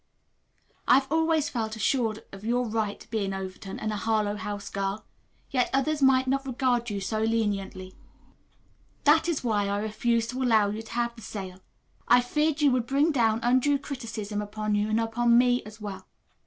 I have always felt assured of your right to be an Overton and a Harlowe House girl, yet others might not regard you so leniently. That is why I refused to allow you to have the sale. I feared you would bring down undue criticism upon you, and upon me as well.